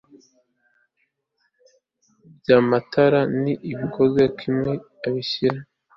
by amatara n bikoze kimwe abishyira